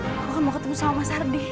maksudnya aku akan mau ketemu sama mas ardi